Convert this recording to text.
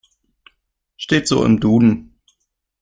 Steht so im Duden.